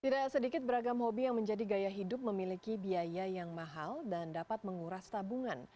tidak sedikit beragam hobi yang menjadi gaya hidup memiliki biaya yang mahal dan dapat menguras tabungan